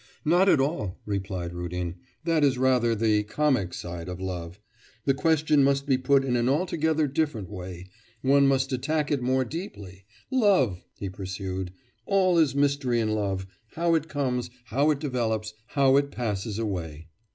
'Not at all!' replied Rudin; 'that is rather the comic side of love. ... The question must be put in an altogether different way... one must attack it more deeply.... Love!' he pursued, 'all is mystery in love; how it comes, how it develops, how it passes away.